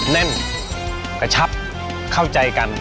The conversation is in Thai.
แน่นกระชับเข้าใจกัน